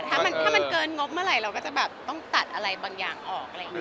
ถ้ามันเกินงบเมื่อไหร่เราก็จะต้องตัดอะไรบางอย่างออก